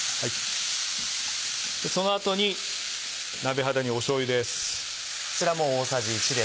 その後に鍋肌にしょうゆです。